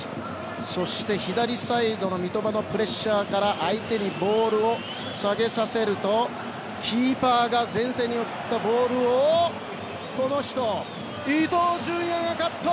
そして、左サイドの三笘のプレッシャーから相手にボールを下げさせるとキーパーが前線に送ったボールをこの人、伊東純也がカット！